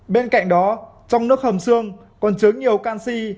bên cạnh đó trong nước hầm sương còn chứa nhiều canxi